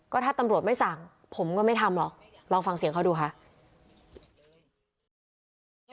ก็ถ้าตำรวจไม่สั่งผมก็ไม่ทำหรอกลองฟังเสียงเขาดูค่ะ